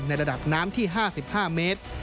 ระดับน้ำที่๕๕เมตร